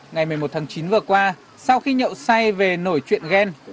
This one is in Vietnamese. ngày một mươi một tháng chín vừa qua sau khi nhậu say về nổi chuyện ghen